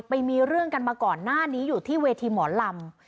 ไปมีเรื่องกันมาก่อนหน้านี้อยู่ที่เวทีหมอลำ